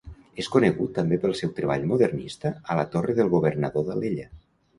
És conegut també pel seu treball modernista a la Torre del Governador d'Alella.